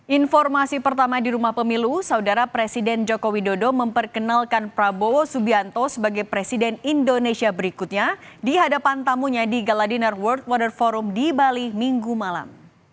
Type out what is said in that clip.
informasi pertama di rumah pemilu saudara presiden joko widodo memperkenalkan prabowo subianto sebagai presiden indonesia berikutnya di hadapan tamunya di galadinar world water forum di bali minggu malam